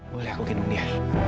boleh aku gendong dia